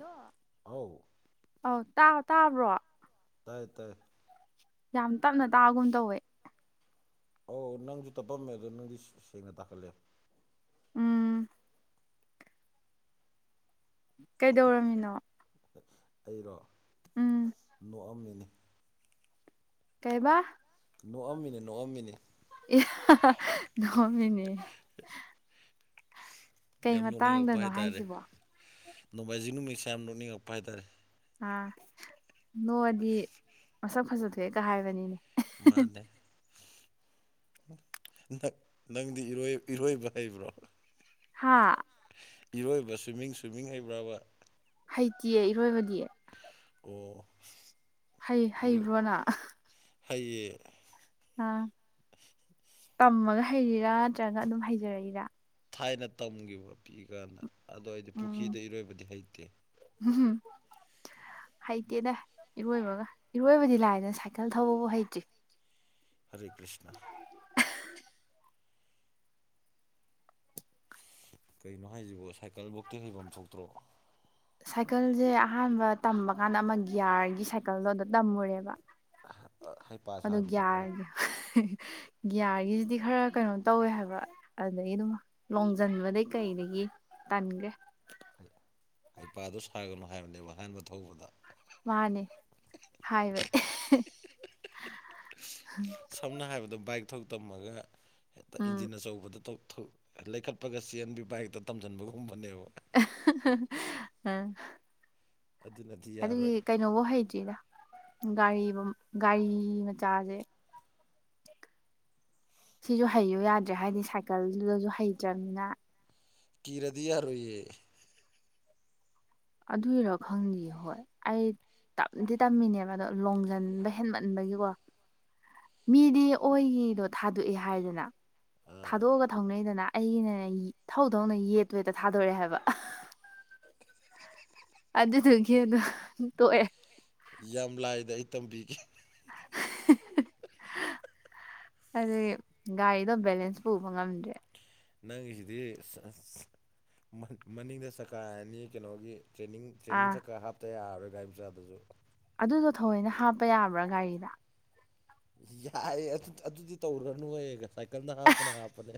ꯂꯣ ꯑꯧ ꯑꯥꯎ ꯇꯥ ꯇꯥꯕ꯭ꯔꯣ ꯇꯥꯢ ꯇꯥꯢ ꯌꯥꯝ ꯇꯞꯅ ꯇꯥꯒꯨꯝ ꯇꯧꯋꯦ ꯑꯣ ꯅꯪꯖꯨ ꯇꯞꯄꯝꯃꯦ ꯑꯗꯣ ꯅꯪꯗꯤ ꯁꯦ ꯁꯦꯡꯅ ꯇꯥꯈꯠꯂꯦ ꯎꯝ ꯀꯩꯗꯧꯔꯝꯃꯤꯅꯣ ꯑꯩꯔꯣ ꯎꯝ ꯅꯣꯛꯑꯝꯃꯤꯅꯤ ꯀꯩꯌꯦꯕꯥ ꯅꯣꯑꯝꯃꯤꯅꯤ ꯅꯣꯑꯝꯃꯤꯅꯤ ꯑꯦ ꯍ ꯍ ꯅꯣꯛꯑꯝꯃꯤꯅꯦꯌꯦ ꯀꯩ ꯌꯥꯝ ꯅꯣꯛꯅꯤꯡꯉꯛꯄ ꯃꯇꯥꯡꯗꯅꯣ ꯍꯥꯢ ꯇꯥꯔꯦ ꯍꯥꯏꯁꯤꯕꯣ ꯅꯣꯃꯥꯢꯖꯤꯡ ꯅꯨꯃꯤꯠꯁꯦ ꯌꯥꯝ ꯅꯣꯛꯅꯤꯡꯉꯛꯄ ꯍꯥꯢ ꯇꯥꯔꯦ ꯑꯥ ꯅꯣꯛꯑꯗꯤ ꯃꯁꯛ ꯐꯖ ꯊꯣꯛꯑꯦꯀꯥ ꯍꯥꯢꯕꯅꯤꯅꯦ ꯃꯥꯟꯅꯦ ꯗꯛ ꯅꯪꯗꯤ ꯏꯔꯣꯢ ꯏꯔꯣꯢꯕ ꯍꯩꯕ꯭ꯔꯣ ꯍꯥꯥ ꯏꯔꯣꯢꯕ ꯁ꯭ꯋꯤꯝꯃꯤꯡ ꯁ꯭ꯋꯤꯝꯃꯤꯡ ꯍꯩꯕ꯭ꯔꯕ ꯍꯩꯇꯤꯌꯦ ꯏꯔꯣꯢꯕꯗꯤ ꯑꯣ [unintelligible] ꯍꯩ ꯏꯔꯣꯏ ꯍꯩꯕ꯭ꯔꯣ ꯅ ꯑꯍ ꯍꯩꯌꯦ ꯑꯥ ꯇꯝꯃꯒ ꯍꯩꯔꯤꯔꯥ ꯇ꯭ꯔꯒ ꯑꯗꯨꯝ ꯍꯩꯖꯔꯛꯏꯔꯥ ꯊꯥꯢꯅ ꯇꯝꯒꯤꯕ ꯄꯤꯛꯏꯀꯥꯟꯗ ꯑꯗꯣ ꯑꯩꯗꯤ ꯄꯨꯈꯤꯗ ꯏꯔꯣꯢꯕꯗꯤ ꯍꯩꯇꯦ ꯎꯝ ꯍꯨꯝ ꯍꯩꯇꯦꯗ ꯏꯔꯣꯢꯕꯒ ꯏꯔꯣꯢꯕꯗꯤ ꯂꯥꯏꯔꯗꯅꯥ ꯁꯥꯢꯀꯜ ꯊꯧꯕꯕꯨ ꯍꯩꯇ꯭ꯔꯤ ꯍꯔꯦ ꯀ꯭ꯔꯤꯁꯅ ꯏꯁ ꯀꯩꯅꯣ ꯍꯥꯏꯖꯤꯕꯣ ꯁꯥꯏꯀꯜꯕꯣꯛꯇꯤ ꯍꯩꯕꯝ ꯊꯣꯛꯇ꯭ꯔꯣ ꯁꯥꯢꯀꯜꯖꯦ ꯑꯍꯥꯟꯕ ꯇꯝꯕ ꯀꯥꯟꯗ ꯑꯃ ꯒꯤꯌꯥꯔꯒꯤ ꯁꯥꯢꯀꯜꯗꯣ ꯑꯗ ꯇꯝꯃꯨꯔꯦꯕ ꯍꯩꯄꯥ ꯑꯗꯨ ꯁꯥꯔꯨꯕ ꯈꯔ ꯒ꯭ꯌꯥꯔꯒꯤ ꯍ ꯒ꯭ꯌꯥꯔꯤꯒꯤꯖꯤꯗꯤ ꯈꯔ ꯀꯩꯅꯣ ꯇꯧꯋꯦ ꯍꯥꯢꯕ ꯑꯗꯨꯗꯒꯤ ꯑꯗꯨꯝ ꯂꯣꯡꯖꯟꯕꯗꯩ ꯀꯩꯗꯒꯤ ꯇꯟꯒ꯭ꯔꯦ ꯍꯩꯄꯥꯗꯣ ꯁꯥꯒꯅꯨ ꯍꯥꯢꯕꯅꯦꯕ ꯑꯍꯥꯟꯕ ꯊꯧꯕꯗ ꯃꯥꯟꯅꯦ ꯍꯥꯢꯕ ꯑꯦꯍꯦ ꯁꯝꯅ ꯍꯥꯢꯔꯕꯗ ꯕꯥꯏꯛ ꯊꯧ ꯇꯝꯃꯒ ꯍꯦꯇ ꯎꯝ ꯏꯟꯖꯤꯟ ꯑꯆꯧꯕꯗ ꯇꯧꯊꯣꯛ ꯂꯩꯈꯠꯄꯒ ꯆꯦꯟꯕꯤ ꯕꯥꯏꯛꯇ ꯇꯝꯖꯟꯕꯒꯨꯝꯕꯅꯦꯕ [unintelligible] ꯑꯗꯨꯅꯗꯤ ꯑꯗꯨꯒꯤ ꯌꯥꯔꯣꯏ ꯀꯩꯅꯣꯕꯧ ꯍꯩꯇ꯭ꯔꯤꯗ ꯒꯥꯔꯤꯕ ꯒꯥꯔꯤ ꯃꯆꯥꯖꯦ ꯁꯤꯖꯨ ꯍꯩꯌꯨ ꯌꯥꯗ꯭ꯔꯦ ꯍꯥꯢꯗꯤ ꯁꯥꯢꯀꯜꯗꯨꯗꯖꯨ ꯍꯩꯇ꯭ꯔꯕꯅꯤꯅ ꯀꯤꯔꯗꯤ ꯌꯥꯔꯣꯢꯌꯦ ꯑꯗꯨꯢꯔ ꯈꯪꯗꯤꯌꯦ ꯍꯣꯢ ꯑꯩ ꯇꯞꯗꯤ ꯇꯝꯃꯤꯅꯦꯕ ꯑꯗꯣ ꯂꯣꯡꯖꯟꯕ ꯍꯦꯟꯃꯟꯕꯒꯤꯀꯣ ꯃꯤꯗꯤ ꯑꯣꯢꯒꯤꯗꯣ ꯊꯥꯗꯣꯛꯑꯦ ꯍꯥꯢꯗꯅ ꯑꯥ ꯊꯥꯗꯣꯛꯑꯒ ꯊꯧꯅꯩꯗꯅ ꯑꯩꯒꯤꯅꯅꯦ ꯌꯦ ꯊꯧꯊꯧꯅ ꯌꯦꯠꯇꯣ ꯍꯦꯛꯇ ꯊꯥꯗꯣꯔꯦ ꯍꯥꯢꯕ [unintelligible] ꯑꯗꯨꯗꯨꯒꯤ ꯑꯗꯣ ꯇꯣꯛꯑꯦ ꯌꯥꯝ ꯂꯥꯏꯗ ꯑꯩ ꯇꯝꯕꯤꯒꯦ [unintelligible] ꯑꯗꯨꯒꯤ ꯒꯥꯔꯤꯗꯣ ꯕꯦꯂꯦꯟꯁ ꯄꯨꯕ ꯉꯝꯗ꯭ꯔꯦ ꯅꯪꯒꯤꯁꯤꯗꯤ ꯁꯑꯁ ꯃꯥ ꯃꯅꯤꯡꯗ ꯆꯀꯥ ꯑꯅꯤ ꯀꯩꯅꯣꯒꯤ ꯇ꯭ꯔꯦꯅꯤꯡ ꯇ꯭ꯔꯦꯅꯤꯡ ꯑꯥ ꯆꯀꯥ ꯍꯥꯞꯇ ꯌꯥꯔꯔꯣꯏ ꯒꯥꯔꯤ ꯃꯆꯥꯗꯖꯨ ꯑꯗꯨꯗꯣ ꯊꯌꯣꯏꯅ ꯍꯥꯞꯄ ꯌꯥꯕ꯭ꯔꯥ ꯒꯥꯔꯤꯗ ꯌꯥꯏꯑꯦ ꯑꯗꯨ ꯑꯗꯨꯗꯤ ꯇꯧꯔꯨꯔꯅꯨꯍꯦ ꯁꯥꯏꯀꯜꯗ ꯍꯥꯞꯄꯅ ꯍꯥꯞꯄꯅꯦ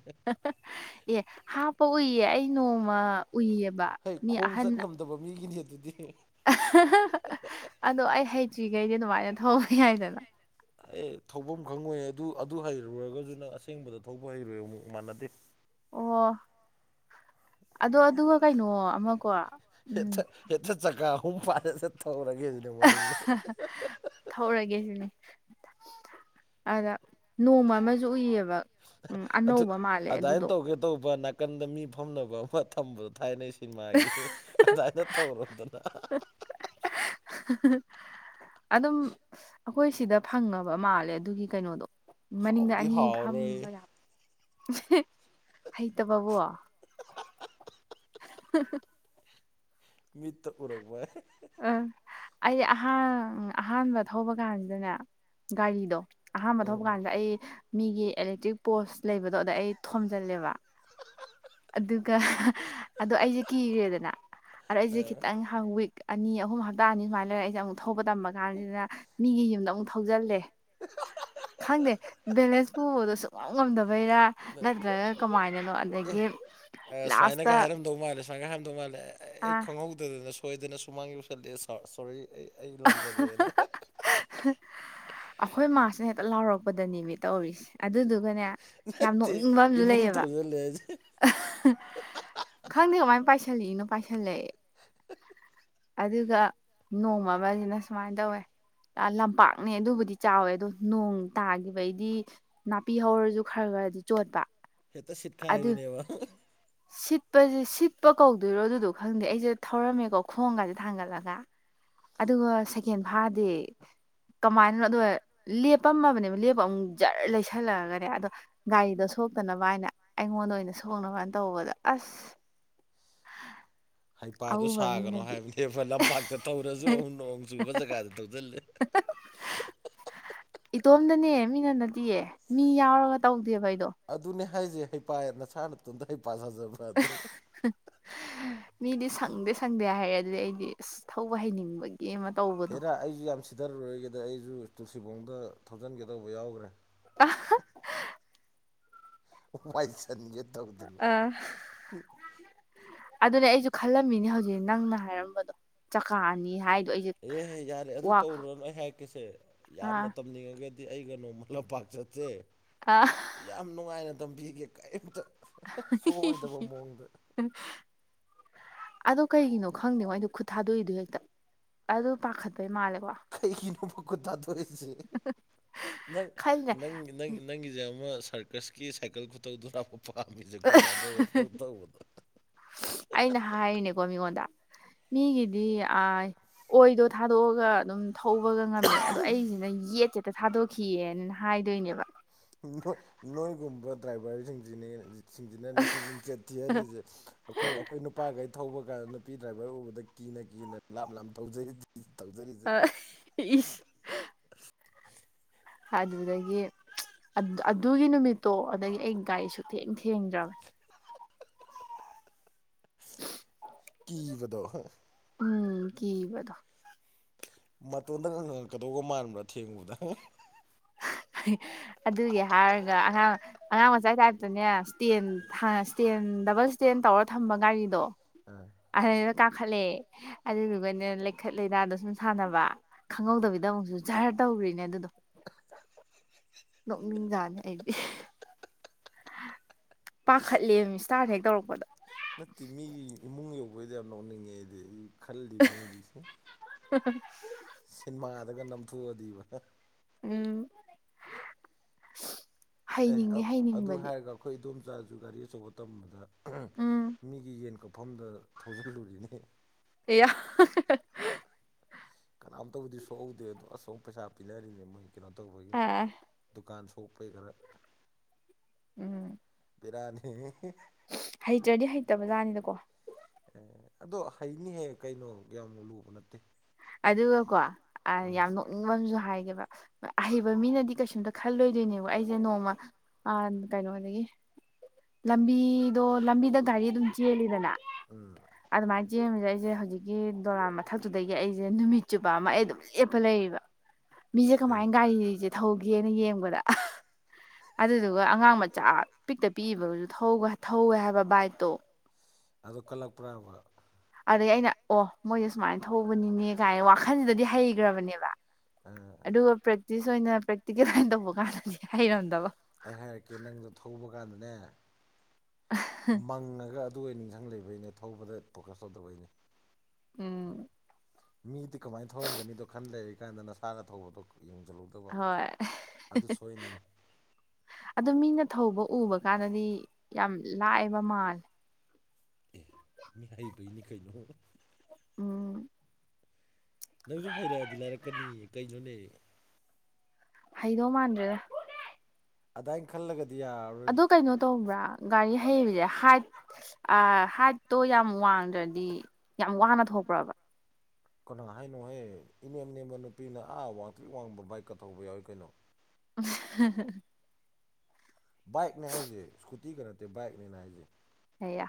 ꯑꯦ ꯍꯥꯞꯄ ꯎꯏꯌꯦ ꯑꯩ ꯅꯣꯡꯃ ꯎꯏꯌꯦꯕ ꯍꯩ ꯃꯤ ꯈꯣꯡ ꯑꯍꯟ ꯆꯠ ꯉꯝꯗꯕ ꯃꯤꯒꯤꯅꯤ ꯑꯗꯨꯗꯤ ꯑꯗꯣ ꯑꯩ ꯍꯩꯇ꯭ꯔꯤꯒꯩꯗꯤ ꯑꯗꯨꯃꯥꯏꯅ ꯊꯧꯕ ꯌꯥꯏꯗꯅ ꯑꯦ ꯊꯧꯕꯝ ꯈꯪꯉꯣꯏ ꯑꯗꯨ ꯑꯗꯨ ꯍꯩꯔꯨꯔꯒꯁꯨ ꯅꯪ ꯑꯁꯦꯡꯕꯗ ꯊꯧꯕ ꯍꯩꯔꯣꯏ ꯑꯃꯨꯛ ꯃꯥꯟꯅꯗꯦ ꯑꯣ ꯑꯗꯣ ꯑꯗꯨꯒ ꯀꯩꯅꯣ ꯑꯃꯀꯣ ꯎꯝ ꯍꯦꯇ ꯆꯀꯥ ꯑꯍꯨꯝ [unintelligible] ꯊꯧꯔꯒꯦꯁꯤꯅꯦ ꯃꯅꯤꯡꯗ ꯊꯧꯔꯒꯦ ꯁꯤꯅꯦ ꯑꯗ ꯅꯣꯡꯃ ꯑꯃꯖꯨ ꯎꯏꯌꯦꯕ ꯎꯝ ꯑꯗꯨ ꯑꯅꯧꯕ ꯃꯥꯜꯂꯦ ꯑꯗꯨꯃꯥꯏꯅ ꯑꯗꯨꯗꯣ ꯇꯧꯒꯦ ꯇꯧꯕ ꯅꯥꯀꯟꯗ ꯃꯤ ꯐꯝꯅꯕ ꯑꯃ ꯊꯝꯕꯗꯣ ꯊꯥꯏꯅꯩ ꯁꯤꯟꯃꯥꯒꯤ ꯑꯗꯥꯅ ꯇꯧꯔꯣꯗꯅ [unintelligible] ꯑꯗꯨꯝ ꯑꯈꯣꯏ ꯁꯤꯗ ꯐꯪꯉꯕ ꯃꯥꯜꯂꯦ ꯑꯗꯨꯒꯤ ꯀꯩꯅꯣꯗꯣ ꯃꯅꯤꯡꯗ ꯍꯥꯎꯗꯤ ꯑꯅꯤ ꯍꯥꯎꯔꯣꯏ ꯐꯝꯕ ꯌꯥ ꯍꯩꯇꯕꯕꯣ [unintelligible] ꯃꯤꯠꯇ ꯎꯔꯛꯄ ꯑꯥ ꯑꯩꯗꯤ ꯑꯍꯥꯡ ꯑꯍꯥꯟꯕ ꯊꯧꯕ ꯀꯥꯟꯖꯤꯗꯅꯦ ꯒꯥꯔꯤꯗꯣ ꯑꯍꯥꯟꯕ ꯊꯧꯕ ꯎꯝ ꯀꯥꯟꯁꯤꯗ ꯑꯩ ꯃꯤꯒꯤ ꯑꯦꯂꯦꯛꯇ꯭ꯔꯤꯛ ꯄꯣꯁ ꯂꯩꯕꯗꯣ ꯑꯗꯨꯗ ꯑꯩ ꯊꯣꯝꯖꯜꯂꯦꯕ [unintelligible] ꯑꯗꯨꯒ ꯑꯗꯣ ꯑꯩꯖꯦ ꯀꯤꯔꯦꯗꯅ ꯑꯗꯣ ꯑꯩꯖꯦ ꯑꯦ ꯈꯤꯇꯪ ꯍꯥ ꯋꯤꯛ ꯑꯅꯤ ꯑꯍꯨꯝ ꯍꯞꯇꯥ ꯑꯅꯤ ꯁꯨꯃꯥꯏ ꯂꯩꯔ ꯑꯩꯖꯦ ꯑꯃꯨꯛ ꯊꯧꯕ ꯇꯝꯕ ꯀꯥꯟꯖꯤꯅ ꯃꯤꯒꯤ ꯌꯨꯝꯗ ꯑꯃꯨꯛ ꯊꯧꯖꯜꯂꯦ [unintelligible] ꯈꯪꯗꯦ ꯕꯦꯂꯦꯟꯁ ꯄꯨꯕꯗꯣ ꯁꯨꯛ ꯉꯥꯝ ꯉꯝꯗꯕꯩꯔ ꯅꯠꯇ꯭ꯔꯒ ꯀꯃꯥꯏꯅꯅꯣ ꯑꯗꯒꯤ ꯁꯨꯃꯥꯏꯅꯒ ꯂꯥꯁꯇ ꯍꯥꯏꯔꯝꯗꯧ ꯃꯥꯜꯂꯦ ꯑꯉꯥꯡꯗꯣ ꯃꯥꯜꯑꯂꯦ ꯑꯦ ꯑ ꯑꯩ ꯈꯪꯍꯧꯗꯗꯅ ꯁꯣꯏꯗꯅ ꯁꯨꯃꯥꯡ ꯌꯧꯁꯜꯂꯛꯑꯦ ꯁꯧ ꯁꯣꯔꯤ ꯑꯩ ꯑꯩ ꯂꯥꯟꯖꯔꯦꯅ ꯑꯈꯣꯏ ꯃꯥꯁꯦ ꯍꯦꯛꯇ ꯂꯥꯎꯔꯛꯄꯗꯅꯦꯃꯤ ꯇꯧꯔꯤꯁꯦ ꯑꯗꯨꯗꯨꯒꯅꯦ ꯌꯥꯝ ꯅꯠꯇꯦ ꯅꯣꯛꯅꯤꯡꯕ ꯑꯝꯖꯨ ꯏꯃꯨꯡ ꯂꯩꯌꯦꯕ ꯊꯧꯖꯤꯜꯂꯦ ꯈꯪꯗꯦ ꯀꯃꯥꯏ ꯄꯥꯏꯁꯜꯂꯛꯏꯅꯣ ꯄꯥꯏꯁꯜꯂꯛꯑꯦ [unintelligible] ꯑꯗꯨꯒ ꯅꯣꯡꯃ ꯑꯃꯖꯤꯅ ꯁꯨꯃꯥꯏꯟ ꯇꯧꯋꯦ ꯑꯥ ꯂꯝꯄꯥꯛꯅꯦ ꯑꯗꯨꯕꯨꯗꯤ ꯆꯥꯎꯋꯦ ꯑꯗꯣ ꯅꯣꯡ ꯇꯥꯒꯤꯕꯩꯗꯤ ꯅꯥꯄꯤ ꯍꯧꯔꯖꯨ ꯈꯔ ꯒꯔꯗꯤ ꯆꯣꯠꯄ ꯍꯦꯇ ꯁꯤꯠꯈꯥꯏꯕꯤꯅꯦꯕ ꯁꯤꯠꯄꯖꯦ ꯁꯤꯠꯄ ꯀꯧꯗꯣꯏꯔꯣ ꯑꯗꯨꯗꯣ ꯈꯪꯗꯦ ꯑꯩꯖꯦ ꯊꯧꯔꯝꯃꯦꯀꯣ ꯈꯣꯡꯒꯥꯖꯦ ꯊꯥꯡꯒꯠꯂꯒ ꯑꯗꯨꯒ ꯁꯦꯀꯦꯟ ꯐꯥꯗꯦ ꯀꯃꯥꯏꯅꯅꯣ ꯑꯗꯣ ꯑꯥ ꯂꯦꯞꯄꯝꯃꯕꯅꯦꯕ ꯂꯦꯞꯄ ꯑꯃꯨꯛ ꯖꯔ ꯂꯩꯁꯜꯂꯛꯑꯒꯅꯦ ꯑꯗꯣ ꯒꯥꯔꯤꯗꯣ ꯁꯣꯛꯇꯅꯕ ꯍꯥꯏꯅ ꯑꯩꯉꯣꯟꯗ ꯑꯣꯏꯅ ꯁꯣꯛꯅꯕ ꯇꯧꯕꯗ ꯑꯁ ꯍꯩꯄꯥꯗꯣ ꯑꯎꯕ ꯁꯥꯒꯅꯣ ꯃꯤꯅꯗꯤ ꯍꯥꯏꯕꯅꯦꯕ ꯂꯝꯄꯥꯛꯇ ꯊꯧꯔꯖꯨ ꯑꯃꯨꯛ ꯅꯣꯡ ꯆꯨꯕ ꯖꯒꯥꯗ ꯊꯧꯖꯜꯂꯦ [unintelligible] ꯏꯇꯣꯝꯗꯅꯦ ꯃꯤꯅ ꯅꯠꯇꯤꯌꯦ ꯃꯤ ꯌꯥꯎꯔꯒ ꯇꯧꯗꯦꯕ ꯑꯩꯗꯣ ꯑꯗꯨꯅꯦ ꯍꯥꯏꯖꯦ ꯍꯩꯄꯥ ꯌꯥꯝ ꯅꯁꯥ ꯅꯇꯣꯟꯗ ꯍꯩꯄꯥ ꯁꯥꯖꯕ ꯑꯥ ꯑꯗꯣ ꯍꯥ ꯃꯤꯗꯤ ꯁꯪꯗꯦ ꯁꯪꯗꯦ ꯍꯥꯏꯌꯦ ꯑꯗꯨꯗꯤ ꯑꯩꯗꯤ ꯑꯁ ꯊꯧꯕ ꯍꯩꯅꯤꯡꯕꯩ ꯒꯤ ꯑꯃ ꯇꯧ ꯍꯦꯔꯥ ꯑꯩꯖꯨ ꯌꯥꯝ ꯁꯤꯗꯔꯔꯣꯏꯒꯦꯗ ꯑꯩꯖꯨ ꯇꯨꯜꯁꯤꯕꯣꯡꯗ ꯊꯧꯖꯟꯒꯦ ꯇꯧꯕ ꯌꯥꯎꯒ꯭ꯔꯦ ꯑꯥ ꯍꯥ ꯋꯥꯏꯁꯟꯒꯦ ꯇꯧꯗꯅ ꯑꯥ ꯑꯗꯨꯅꯦ ꯑꯩꯖꯨ ꯈꯜꯂꯝꯃꯤꯅꯦ ꯍꯧꯖꯤꯛ ꯅꯪꯅ ꯍꯥꯏꯔꯝꯕꯗꯣ ꯆꯀꯥ ꯑꯅꯤ ꯍꯥꯏ ꯑꯦꯍꯦ ꯌꯥꯔꯦ ꯑꯗꯨ ꯇꯧꯔꯨꯔꯅꯨ ꯑꯩ ꯍꯥꯏꯔꯛꯀꯦꯁꯦ ꯌꯥꯝꯅ ꯑꯥ ꯇꯝꯅꯤꯡꯉꯒ ꯗꯤ ꯑꯩꯒ ꯅꯣꯡꯃ ꯂꯝꯄꯥꯛ ꯆꯠꯁꯦ ꯑꯥ ꯌꯥꯝ ꯅꯨꯡꯉꯥꯏꯅ ꯇꯝꯕꯤꯒꯦ ꯀꯩꯝꯇ ꯑꯥ ꯍꯤ ꯍꯤ ꯍꯤ ꯍꯤ ꯑꯗꯣ ꯀꯩꯒꯤꯅꯣ ꯈꯪꯗꯦꯉꯣ ꯑꯩꯗꯤ ꯈꯨꯠ ꯊꯥꯗꯣꯛꯏꯗꯨ ꯍꯦꯛꯇ ꯑꯗꯨ ꯄꯥꯈꯠꯄꯩ ꯃꯥꯜꯂꯦꯀꯣ ꯀꯩꯒꯤꯅꯣꯕ ꯈꯨꯠ ꯊꯥꯗꯣꯔꯛꯏꯖꯦ ꯅꯪ ꯈꯜꯂꯦ ꯅꯪꯒꯤ ꯅꯪ ꯅꯪꯒꯤꯖꯦ ꯑꯃ ꯁꯔꯀꯁꯀꯤ ꯁꯥꯏꯀꯜ ꯈꯨꯊꯧꯗꯨꯔꯕ ꯄꯥꯝꯃꯤꯖꯦ ꯈꯨꯠ ꯊꯥꯗꯣꯛꯑ ꯄꯨꯛꯊꯧ ꯊꯧꯕꯗꯣ ꯍꯥ ꯍꯥ ꯑꯩꯅ ꯍꯥꯏꯔꯤꯅꯦꯀꯣ ꯃꯤꯉꯣꯟꯗ ꯃꯤꯒꯤꯗꯤ ꯑꯥꯏ ꯑꯣꯏꯗꯣ ꯊꯥꯗꯣꯛꯑꯒ ꯑꯗꯨꯝ ꯊꯧꯕꯒ ꯉꯝꯃꯦ ꯑꯗꯣ ꯑꯩꯖꯤꯅ ꯌꯦꯠꯁꯦ ꯍꯦꯛꯇ ꯊꯥꯗꯣꯛꯈꯤꯌꯦꯅ ꯍꯥꯏꯗꯣꯏꯅꯦꯕ ꯅꯣꯏ ꯅꯣꯏꯒꯨꯝꯕ ꯗ꯭ꯔꯥꯏꯚꯔꯖꯤꯡꯖꯤꯅꯦ ꯁꯤꯖꯤꯅꯅꯦ ꯃꯤꯡꯆꯠ ꯊꯤꯍꯜꯂꯤꯖꯦ ꯑꯈꯣꯏ ꯑꯈꯣꯏ ꯅꯨ ꯄꯥꯒꯩ ꯊꯧꯕ ꯀꯥꯟꯗ ꯅꯨꯄꯤ ꯗ꯭ꯔꯥꯏꯚꯔ ꯎꯕꯗ ꯀꯤꯅ ꯀꯤꯅ ꯂꯥꯞ ꯂꯥꯞ ꯊꯧꯖꯔꯤꯗꯨꯗꯤ ꯊꯧꯖꯔꯤꯗꯨ ꯑꯥ ꯑꯩ ꯏꯁ ꯑꯗꯨꯗꯒꯤ ꯑꯗꯨ ꯑꯗꯨꯒꯤ ꯅꯨꯃꯤꯠꯇꯣ ꯑꯗꯒꯤ ꯑꯩ ꯒꯥꯔꯤ ꯁꯨꯛ ꯊꯦꯡ ꯊꯦꯡꯗ꯭ꯔꯕꯅꯤ ꯀꯤꯕꯗꯣ ꯍꯥ ꯎꯝ ꯀꯤꯕꯗꯣ ꯃꯇꯣꯟꯗꯒ ꯉꯪꯉꯛꯀꯗꯧꯒ ꯃꯥꯟꯕ꯭ꯔ ꯊꯦꯡꯕꯗ ꯍꯥ ꯍꯤ ꯑꯗꯨꯒꯤ ꯍꯥꯏꯔꯒ ꯑꯉꯥꯡ ꯑꯉꯥꯡ ꯃꯆꯥꯥꯏ ꯇꯥꯏꯞꯇꯅꯦ ꯁ꯭ꯇꯦꯟ ꯍꯥꯟꯅ ꯁ꯭ꯇꯦꯟ ꯗꯕꯜ ꯁ꯭ꯇꯦꯟ ꯇꯧꯔ ꯊꯝꯕ ꯒꯥꯔꯤꯗꯣ ꯑꯥ ꯑꯗꯩꯗ ꯀꯥꯈꯠꯂꯦ ꯑꯗꯨꯗꯨꯒꯅꯦ ꯂꯩꯈꯠ ꯂꯩꯗꯥꯗꯣ ꯁꯨꯝ ꯁꯥꯟꯅꯕ ꯈꯪꯍꯧꯗꯕꯤꯗꯃꯨꯛꯖꯨ ꯖꯔ ꯇꯧꯒ꯭ꯔꯤꯅꯦ ꯑꯗꯨꯗꯣ [inaudible] ꯅꯣꯛꯅꯤꯡ ꯖꯥꯠꯅꯤ ꯑꯩꯗꯤ ꯄꯥꯈꯠꯂꯦꯃꯤ ꯁ꯭ꯇꯥꯔꯠ ꯍꯦꯛ ꯇꯧꯔꯛꯄꯗ ꯅꯠꯇꯦ ꯃꯤꯒꯤ ꯏꯃꯨꯡ ꯌꯧꯕꯩꯗꯣ ꯌꯥꯝ ꯅꯣꯛꯅꯤꯡꯉꯦ ꯑꯩꯗꯤ ꯑꯩ ꯈꯜꯂꯤꯕꯅꯤ ꯍꯧꯖꯤꯛꯁꯦ [inaudible] ꯁꯤꯟꯃꯥꯗꯒ ꯅꯝꯊꯣꯛꯑꯗꯤꯕ ꯍꯥ ꯎꯝ ꯑꯦ ꯍꯩꯅꯤꯡꯉꯦ ꯑꯗꯨ ꯍꯩꯅꯤꯡꯕꯗꯤ ꯍꯥꯏꯔꯒ ꯑꯩꯈꯣꯏ ꯏꯗꯣꯝꯆꯥꯁꯨ ꯒꯥꯔꯤ ꯑꯆꯧꯕ ꯇꯝꯕꯗ ꯎꯝ ꯃꯤꯒꯤ ꯌꯦꯟ ꯀꯛꯐꯝꯗ ꯊꯧꯖꯤꯜꯂꯨꯔꯤꯅꯦ ꯑꯦꯌꯥ ꯀꯅꯥꯝꯇꯕꯨꯗꯤ ꯁꯣꯛꯍꯧꯗꯦ ꯑꯗꯣ ꯑꯁꯣꯝ ꯄꯩꯁꯥ ꯄꯤꯅꯔꯤꯅꯦ ꯃꯣꯏ ꯀꯩꯅꯣ ꯇꯧꯕꯒꯤ ꯑ ꯗꯨꯀꯥꯟ ꯁꯣꯛꯄꯩ ꯈꯔ ꯎꯝ ꯕꯦꯔꯥꯅꯤꯍꯦ ꯍꯩꯇ꯭ꯔꯗꯤ ꯍꯩꯇꯕ ꯖꯥꯠꯅꯤꯗꯀꯣ ꯑꯦ ꯑꯗꯣ ꯍꯩꯅꯤꯍꯦ ꯀꯩꯅꯣ ꯌꯥꯝꯅ ꯂꯨꯕ ꯅꯠꯇꯦ ꯑꯗꯨꯒꯀꯣ ꯑ ꯎꯝ ꯌꯥꯝ ꯅꯣꯛ ꯅꯤꯪꯕꯝꯁꯨ ꯍꯥꯏꯒꯦꯕ ꯑꯍꯩꯕ ꯃꯤꯅꯗꯤ ꯀꯩꯁꯨꯝꯇ ꯈꯜꯂꯣꯏꯗꯣꯏꯅꯦꯕ ꯑꯩꯁꯦ ꯅꯣꯡꯃ ꯑꯟ ꯀꯩꯅꯣꯗꯒꯤ ꯂꯝꯕꯤꯗꯣ ꯂꯝꯕꯤꯗ ꯒꯥꯔꯤ ꯑꯗꯨꯝ ꯆꯦꯜꯂꯤꯗꯅ ꯎꯝ ꯑꯗꯨꯃꯥꯏꯅ ꯆꯦꯟꯕꯁꯤꯗ ꯑꯩꯁꯦ ꯍꯧꯖꯤꯛꯀꯤ ꯗꯣꯂꯥꯟ ꯃꯊꯛꯇꯨꯗꯒꯤ ꯑꯩꯁꯦ ꯅꯨꯃꯤꯠ ꯆꯨꯞꯄ ꯑꯃ ꯑꯩ ꯑꯗꯨꯝ ꯂꯦꯞꯄ ꯂꯩꯔꯤꯕ, ꯃꯤꯁꯦ ꯀꯃꯥꯏꯅ ꯀꯩꯒꯤ ꯒꯥꯔꯤ [unintelligible] ꯊꯧꯒꯦꯅ ꯌꯦꯡꯕꯗ ꯑꯗꯨꯗꯨꯒ ꯑꯉꯥꯡ ꯃꯆꯥ ꯄꯤꯛꯇ ꯄꯤꯛꯏꯕꯒꯁꯨ ꯊꯧꯕ ꯊꯧꯋꯦ ꯍꯥꯏꯕ ꯕꯥꯏꯛꯇꯣ ꯑꯗꯨ ꯀꯜꯂꯛꯄ꯭ꯔꯕ ꯑꯗꯒꯤ ꯑꯩꯅ ꯑꯣ ꯃꯣꯏꯁꯦ ꯁꯨꯃꯥꯏꯅ ꯊꯧꯕꯅꯤꯅꯦ ꯀꯥꯏꯅ ꯋꯥꯈꯜꯁꯤꯗꯗꯤ ꯍꯩꯈ꯭ꯔꯕꯅꯦꯕ ꯑꯥ ꯑꯗꯨꯒ ꯄ꯭ꯔꯦꯛꯇꯤꯁ ꯑꯣꯏꯅ ꯄ꯭ꯔꯦꯛꯇꯤꯀꯦꯜ ꯑꯣꯏꯅ ꯇꯧꯕ ꯀꯥꯟꯗꯗꯤ ꯍꯩꯔꯝꯗꯕ ꯑꯩ ꯍꯥꯏꯔꯛꯀꯦ ꯅꯪꯗꯣ ꯊꯧꯕ ꯀꯥꯟꯗꯅꯦ, ꯃꯪꯉꯒ ꯑꯗꯨ ꯑꯣꯏ ꯅꯤꯡꯁꯤꯡ ꯂꯩꯕꯒꯤꯅꯦ ꯊꯧꯕꯗ ꯐꯣꯀꯁ ꯇꯧꯗꯕꯩꯅꯦ ꯎꯝ [inaudible] ꯃꯤꯗꯤ ꯀꯃꯥꯏ ꯊꯧꯔꯝꯒꯅꯤꯗꯣ ꯈꯟ ꯂꯩꯔꯤ ꯀꯥꯟꯗ ꯅꯁꯥꯅ ꯊꯧꯕꯗꯣ ꯌꯦꯡꯁꯤꯜꯂꯧ ꯍꯣꯏ ꯑꯗꯨ ꯃꯤꯅ ꯊꯧꯕ ꯎꯕ ꯀꯥꯟꯗꯗꯤ ꯌꯥꯝ ꯂꯥꯏꯕ ꯃꯥꯜꯂꯦ ꯑꯦ ꯃꯤ ꯍꯩꯕꯩꯅꯤ ꯀꯩꯅꯣ ꯎꯝ ꯅꯪꯁꯨ ꯍꯩꯔꯛꯑꯗꯤ ꯂꯥꯏꯔꯛꯀꯅꯤꯌꯦ ꯀꯩꯅꯣꯅꯦ ꯍꯩꯗꯧ ꯃꯥꯟꯗ꯭ꯔꯦꯗ ꯑꯗꯥꯏꯅ ꯈꯜꯂꯒꯗꯤ ꯌꯥꯔꯔꯣꯏ ꯑꯗꯨ ꯀꯩꯅꯣ ꯇꯧꯕ꯭ꯔꯥ ꯒꯥꯔꯤ ꯍꯩꯕꯁꯦ ꯍꯥꯏꯠ ꯑ ꯍꯥꯏꯠꯇꯣ ꯌꯥꯝ ꯋꯥꯡꯗ꯭ꯔꯗꯤ ꯌꯥꯝ ꯋꯥꯅ ꯊꯣꯛꯄ꯭ꯔꯕ ꯀꯅꯥ ꯍꯥꯏꯅꯣꯍꯦ ꯏꯅꯦꯝ ꯅꯦꯝꯕ ꯅꯨꯄꯤꯅ ꯑꯥ ꯋꯥꯡꯇ꯭ꯔꯤꯛ ꯋꯥꯡꯕ ꯕꯥꯏꯛꯀ ꯊꯧꯕ ꯌꯥꯎꯏ ꯀꯩꯅꯣ [inaudible] ꯕꯥꯏꯛꯅꯦ ꯍꯥꯏꯁꯦ ꯁ꯭ꯀꯨꯇꯤꯒ ꯅꯠꯇꯦ ꯕꯥꯏꯛꯅꯦ ꯑꯩꯅꯥ ꯍꯥꯏꯁꯦ ꯑꯌꯥ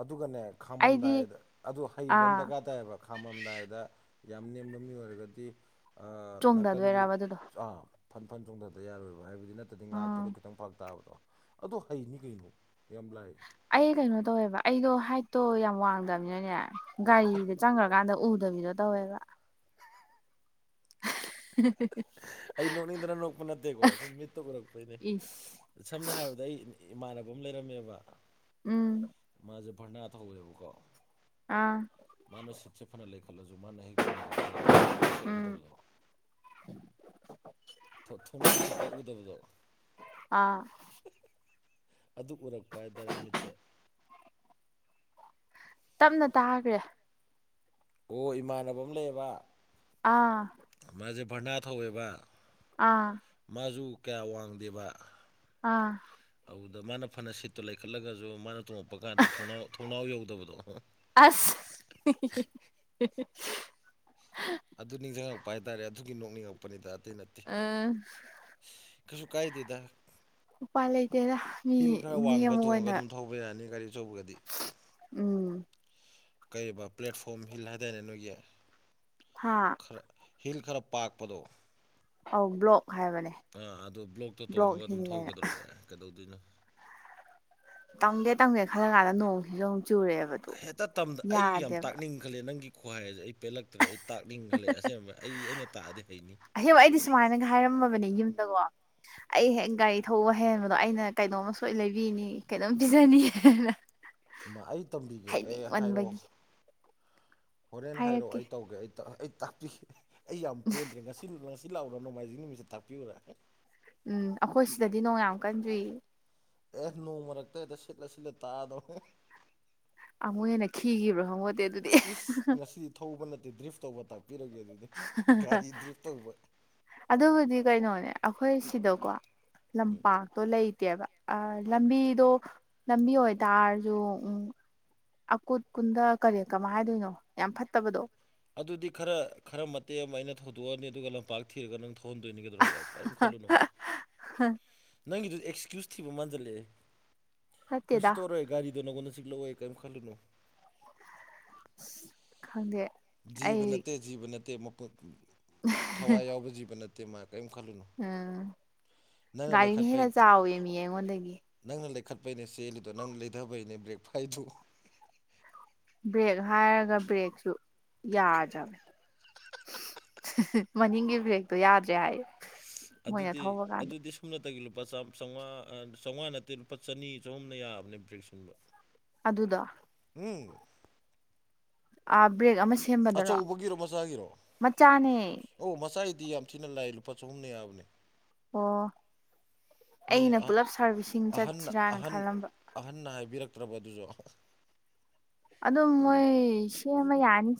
ꯑꯗꯨꯒꯅꯦ ꯑꯩꯗꯤ ꯈꯥꯝꯃꯝꯗꯥꯏꯗ ꯑꯗꯨ ꯍꯩꯕ ꯑꯃ ꯑꯥ ꯗꯔꯀꯥꯔ ꯇꯥꯏꯌꯦꯕ ꯈꯥꯝꯃꯝꯗꯥꯏꯗ ꯌꯥꯝ ꯅꯦꯝꯕ ꯃꯤ ꯑꯣꯏꯔꯒꯗꯤ ꯑꯥ ꯅꯥꯀꯟꯒꯤ ꯆꯣꯡꯊꯗꯣꯏꯔꯕ ꯑꯗꯨꯗꯣ ꯆꯥꯡ ꯐꯟ ꯆꯣꯡꯊꯗ ꯌꯥꯔꯣꯏꯕ ꯍꯥꯏꯕꯗꯤ ꯅꯠꯇꯗꯤ ꯎꯝ ꯉꯥꯛꯄꯗꯣ ꯈꯤꯇꯪ ꯐꯔꯛ ꯇꯥꯕꯗꯣ ꯑꯗꯣ ꯍꯩꯅꯤ ꯀꯩꯅꯣ ꯌꯥꯝ ꯂꯥꯏ ꯑꯩ ꯀꯩꯅꯣ ꯇꯧꯋꯦꯕ ꯑꯩꯗꯣ ꯍꯥꯏꯠꯇꯣ ꯌꯥꯝ ꯋꯥꯡꯗꯝꯅꯤꯅꯅꯦ ꯒꯥꯔꯤꯗ ꯆꯪꯒ꯭ꯔꯀꯥꯟꯗ ꯎꯗꯕꯤꯗꯣ ꯇꯧꯋꯦꯕ ꯑꯩ ꯅꯣꯛꯅꯤꯡꯗꯅ ꯅꯣꯛꯄ ꯅꯠꯇꯦꯀꯣ ꯁꯨꯝ ꯃꯤꯠꯇ ꯎꯔꯛꯄꯩꯅꯤ ꯏꯁ ꯁꯝꯅ ꯍꯥꯏꯔꯕꯗ ꯑꯩ ꯏꯃꯥꯟꯅꯕ ꯑꯝ ꯂꯩꯔꯝꯃꯦꯕ ꯎꯝ ꯃꯥꯖꯦ ꯚꯔꯅꯥꯠ ꯊꯧꯋꯦꯕꯀꯣ ꯑꯥ ꯃꯥꯅ ꯁꯤꯠꯁꯦ ꯐꯅ ꯂꯩꯈꯠꯂꯖꯨ ꯃꯥꯅ ꯍꯦꯛ ꯇꯣꯡꯒꯤꯕꯗ ꯊꯣꯡꯅꯥꯎ ꯃꯊꯛꯇ ꯎꯝ ꯎꯗꯕꯗꯣ ꯊꯣ ꯊꯣꯡꯅꯥꯎ ꯃꯊꯛꯇ ꯎꯗꯕꯗꯣ ꯑꯥ ꯑꯗꯨ ꯎꯔꯛꯄ ꯍꯥꯏꯇꯥꯔꯦ ꯃꯤꯠꯇ ꯇꯞꯅ ꯇꯥꯒ꯭ꯔꯦ ꯑꯣ ꯏꯃꯥꯟꯅꯕ ꯑꯝ ꯂꯩꯌꯦꯕ ꯑꯥ ꯃꯥꯖꯦ ꯚꯔꯅꯥ ꯊꯧꯋꯦꯕ ꯑꯥ ꯃꯥꯖꯨ ꯀꯌꯥ ꯋꯥꯡꯗꯦꯕ ꯑꯥ ꯑꯧꯗ ꯃꯥꯅ ꯐꯅ ꯁꯤꯠꯇꯨ ꯂꯩꯈꯠꯂꯒꯖꯨ ꯃꯥꯅ ꯇꯣꯡꯉꯛꯄ ꯀꯥꯟꯗ ꯊꯣꯡꯅꯥꯎ ꯊꯣꯡꯅꯥꯎ ꯌꯧꯗꯕꯗꯣ ꯑꯁ ꯑꯗꯨ ꯅꯤꯡꯖꯪꯉꯛꯄ ꯍꯥꯏ ꯇꯥꯔꯦ ꯑꯗꯨꯒꯤ ꯅꯣꯛꯅꯤꯡꯉꯛꯄꯅꯤꯗ ꯑꯇꯩ ꯅꯠ ꯑ ꯀꯩꯁꯨ ꯀꯥꯏꯗꯦꯗ ꯎꯄꯥꯏ ꯂꯩꯇꯦꯗ ꯃꯤ ꯍꯤꯜ ꯈꯔ ꯅꯦꯝ ꯋꯥꯡꯕ ꯇꯣꯡꯉꯒ ꯑꯣꯏꯅ ꯑꯗꯨꯝ ꯊꯧꯕ ꯌꯥꯅꯤ ꯒꯥꯔꯤ ꯑꯆꯧꯕꯒꯗꯤ ꯎꯝ ꯀꯩꯑꯕ ꯄ꯭ꯂꯦꯠꯐꯣꯝ ꯍꯤꯜ ꯍꯥꯏꯗꯥꯏꯅꯦ ꯅꯣꯏꯒꯤ ꯍꯥꯥ ꯈꯔ ꯍꯤꯜ ꯈꯔ ꯄꯥꯛꯄꯗꯣ ꯑꯧ ꯕ꯭ꯂꯣꯛ ꯍꯥꯏꯕꯅꯦ ꯑꯥ ꯑꯗꯨ ꯕ꯭ꯂꯣꯛꯇꯣ ꯕ꯭ꯂꯣꯛ ꯇꯣꯡꯉꯒ ꯑꯗꯨꯝ ꯊꯧ ꯍꯤꯜꯂꯦꯅ ꯀꯩꯗꯧꯔꯒꯦ ꯀꯩꯗꯧꯗꯣꯏꯅꯣ ꯇꯝꯒꯦ ꯇꯝꯒꯦ ꯈꯜꯂꯀꯥꯟꯗ ꯅꯣꯡꯖꯤꯖꯨ ꯑꯃꯨꯛ ꯆꯨꯔꯛꯑꯦꯕ ꯑꯗꯨ ꯍꯦꯠꯇ ꯇꯝꯗ ꯑꯩ ꯌꯥꯝ ꯌꯥꯗꯦꯕ ꯇꯥꯛꯅꯤꯡꯈꯠꯂꯛꯑꯦ ꯅꯪꯒꯤ ꯈꯨꯍꯥꯏꯖꯦ ꯑꯩ ꯄꯦꯜꯂꯛꯇ꯭ꯔꯦ ꯑꯩ ꯇꯥꯛꯅꯤꯡꯈꯠꯂꯦ ꯑꯁꯦꯡꯕ ꯑꯩ ꯑꯩꯅ ꯇꯥꯛꯑꯗꯤ ꯍꯩꯅꯤ ꯑꯍꯦꯝꯕ ꯑꯩꯗꯤ ꯁꯨꯃꯥꯏꯅꯒ ꯍꯥꯏꯔꯝꯃꯕꯅꯦ ꯌꯨꯝꯗꯒꯣ ꯑꯩ ꯍꯦꯛ ꯒꯥꯔꯤ ꯊꯧꯕ ꯍꯩꯍꯟꯕꯗꯣ ꯑꯩꯅ ꯀꯩꯅꯣꯝꯃ ꯁꯣꯏ ꯂꯩꯕꯤꯅꯤ ꯀꯩꯅꯣꯝ ꯄꯤꯖꯅꯤ ꯃꯥ ꯑꯩ ꯇꯝꯕꯤꯒꯦ ꯑꯦ ꯍꯥꯏꯔꯛꯑꯣ ꯍꯥꯏꯅꯤꯡꯃꯟꯕꯒꯤ ꯍꯣꯔꯦꯟ ꯍꯥꯏꯔꯣ ꯍꯥꯏꯔꯛꯀꯦ ꯑꯩ ꯇꯧꯒꯦ ꯑꯩ ꯇꯥ ꯑꯩ ꯇꯥꯛꯄꯤꯒꯦ ꯑꯩ ꯌꯥꯝ ꯄꯦꯟꯗ꯭ꯔꯦ ꯉꯁꯤ [unintelligible] ꯁꯤ ꯂꯥꯛꯎꯔꯥ ꯅꯣꯡꯃꯥꯏꯖꯤꯡ ꯅꯨꯃꯤꯠꯇ ꯇꯥꯛꯄꯤꯌꯨꯔꯥ ꯎꯝ ꯑꯈꯣꯏ ꯁꯤꯗꯗꯤ ꯅꯣꯡ ꯌꯥꯝ ꯀꯟ ꯆꯨꯏ ꯑꯦ ꯅꯣꯡ ꯃꯔꯛꯇ ꯍꯦꯛꯇ ꯁꯤꯠꯂ ꯁꯤꯠꯂ ꯇꯥꯛꯑꯗꯧ ꯑꯃꯨꯛ ꯍꯦꯟꯅ ꯈꯤꯒꯤꯕ꯭ꯔꯥ ꯈꯪꯄꯣꯠꯇꯦ ꯑꯗꯨꯗꯤ ꯏꯁ ꯉꯁꯤꯗꯤ ꯊꯧꯕ ꯅꯠꯇꯦ ꯗ꯭ꯔꯤꯐ ꯇꯧꯕ ꯇꯥꯛꯄꯤꯔꯒꯦ ꯑꯗꯨꯗꯤ ꯒꯥꯔꯤ ꯗ꯭ꯔꯤꯐ ꯇꯧꯕ ꯑꯗꯨꯕꯨꯗꯤ ꯀꯩꯅꯣꯅꯦ ꯑꯈꯣꯏ ꯁꯤꯗꯀꯣ ꯂꯝꯄꯥꯛ ꯎꯝ ꯄꯥꯛꯇꯣ ꯂꯩꯇꯦꯕ ꯑꯥ ꯂꯝꯕꯤꯗꯣ ꯂꯝꯕꯤ ꯑꯣꯏ ꯇꯥꯔꯖꯨ ꯎꯝ ꯑꯀꯨꯠ ꯀꯨꯟꯗ ꯀꯔꯤ ꯀꯃꯥꯏ ꯍꯥꯏꯗꯣꯏꯅꯣ ꯌꯥꯝ ꯐꯠꯇꯕꯗꯣ ꯑꯗꯨꯗꯤ ꯈꯔ ꯈꯔ ꯃꯇꯦꯛ ꯑꯃ ꯑꯩꯅ ꯊꯧꯗꯣꯛꯑꯅꯤ ꯑꯗꯨꯒ ꯂꯝꯄꯥꯛ ꯊꯤꯔꯒ ꯅꯪ ꯊꯧꯍꯟꯗꯣꯏꯅꯤ ꯀꯩꯗꯧꯔꯒꯦ ꯀꯩꯝ ꯈꯜꯂꯨꯅꯣ ꯅꯪꯒꯤꯗꯨ ꯑꯦꯛꯁꯀ꯭ꯌꯨꯁ ꯊꯤꯕ ꯃꯥꯟꯖꯜꯂꯛꯑꯦ ꯀꯩꯁꯨ ꯐꯠꯇꯦꯗ ꯇꯧꯔꯣꯏ ꯒꯥꯔꯤꯗꯣ ꯅꯪꯉꯣꯟꯗ ꯆꯤꯛꯂꯛꯑꯣꯏ ꯀꯔꯤꯝ ꯈꯜꯂꯨꯅꯨ ꯈꯪꯗꯦ ꯖꯤꯕ ꯑꯩ ꯅꯠꯇꯦ ꯖꯤꯕ ꯅꯠꯇꯦ ꯃꯄꯨꯠ ꯊꯋꯥꯏ ꯌꯥꯎꯕ ꯖꯤꯕ ꯅꯠꯇꯦ ꯃꯥ ꯀꯔꯤꯝ ꯈꯜꯂꯨꯅꯨ ꯎꯝ ꯅꯪꯅ ꯒꯥꯔꯤꯅ ꯂꯩꯈꯠꯄꯩ ꯍꯦꯟꯅ ꯆꯥꯎꯋꯦꯃꯤ ꯑꯩꯉꯣꯟꯗꯒꯤ ꯅꯪꯅ ꯂꯩꯈꯠꯄꯩꯅꯦ ꯆꯦꯜꯂꯤꯗꯣ ꯅꯪꯅ ꯂꯩꯗꯕꯩꯅꯦ ꯕ꯭ꯔꯦꯛ ꯐꯥꯏꯗꯨ ꯕ꯭ꯔꯦꯛ ꯍꯥꯏꯔꯒ ꯕ꯭ꯔꯦꯛꯁꯨ ꯌꯥꯗ꯭ꯔꯕꯅꯦ ꯃꯅꯤꯡꯒꯤ ꯕꯔꯦꯛꯇꯣ ꯌꯥꯗ꯭ꯔꯦ ꯍꯥꯏꯌꯦ ꯑꯗꯨꯗꯤ ꯑꯗꯨꯗꯤ ꯁꯨꯞꯅꯠꯇꯒꯤ ꯂꯨꯄꯥ ꯆꯥꯝ ꯆꯧꯉꯥ ꯑꯥ ꯆꯧꯉꯥ ꯅꯠꯇꯦ ꯂꯨꯄꯥ ꯆꯅꯤ ꯆꯍꯨꯝꯅ ꯌꯥꯕꯅꯦ ꯕ꯭ꯔꯦꯛ ꯁꯤꯟꯕ ꯑꯗꯨꯗꯣ ꯏ ꯑꯥ ꯕ꯭ꯔꯦꯛ ꯑꯃ ꯁꯦꯝꯕꯗꯔꯣ ꯑꯆꯧꯕꯒꯤꯔꯣ ꯃꯆꯥꯒꯤꯔꯣ ꯃꯆꯥꯅꯦ ꯃꯆꯥꯅꯤ ꯑꯣ ꯃꯆꯥꯒꯤꯗꯤ ꯌꯥꯝ ꯊꯤꯅ ꯂꯥꯏ ꯂꯨꯄꯥ ꯆꯍꯨꯝꯅ ꯌꯥꯕꯅꯦ ꯑꯣ ꯅꯣꯏ ꯑꯩꯅ ꯑ ꯄꯨꯂꯞ ꯁꯥꯔꯚꯤꯁꯤꯡ ꯑꯍꯟꯅ ꯆꯠꯁꯤꯔꯥꯅ ꯑꯍꯟ ꯈꯜꯂꯝꯕ ꯑꯍꯟꯅ ꯍꯥꯏꯕꯤꯔꯛꯇ꯭ꯔꯕ ꯑꯗꯨꯁꯨ ꯑꯗꯨꯝ ꯃꯣꯏ ꯁꯦꯝꯃ ꯌꯥꯔꯅꯤ